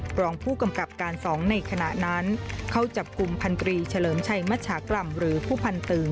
รองผู้กำกับการ๒ในขณะนั้นเข้าจับกลุ่มพันธรีเฉลิมชัยมัชชากล่ำหรือผู้พันตึง